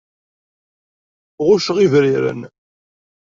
Ɣucceɣ ibriren.